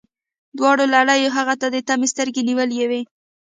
دواړو لړیو هغې ته د طمعې سترګې نیولي وې.